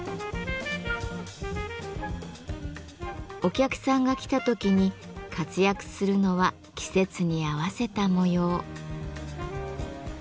お客さんが来た時に活躍するのは季節に合わせた模様。